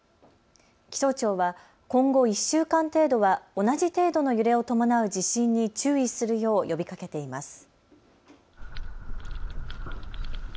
気象庁は今後１週間程度は同じ程度の揺れを伴う地震に注意するよう呼びかけています。